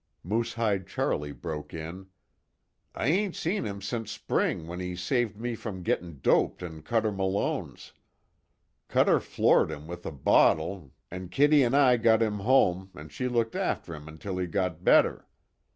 Moosehide Charlie broke in: "I ain't seen him since spring when he saved me from gettin' doped in Cuter Malone's. Cuter floored him with a bottle an' Kitty an' I got him home an' she looked after him till he got better.